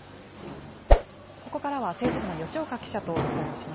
ここからは政治部の吉岡記者とお伝えします。